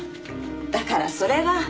だからそれは。